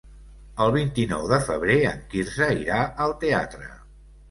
El vint-i-nou de febrer en Quirze irà al teatre.